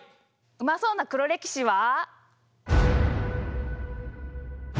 うまそうな「黒歴史」は。